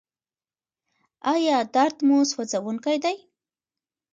ایا درد مو سوځونکی دی؟